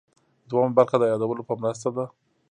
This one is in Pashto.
دوهمه برخه د یادولو په مرسته ده.